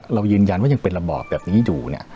เรายืนยันว่ายังเป็นระบอบแบบนี้อยู่